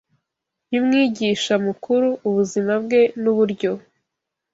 y’Umwigisha mukuru, ubuzima bwe n’uburyo